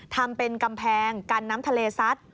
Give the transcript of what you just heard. ทำเป็นกำแพงกันน้ำทะเลซัด